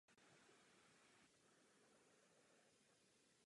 Mitchell se narodil v El Pasu ve státě Texas.